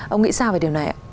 ông nghĩ sao về điều này ạ